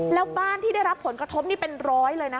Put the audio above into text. แล้วบ้านที่ได้รับผลกระทบนี่เป็นร้อยเลยนะคะ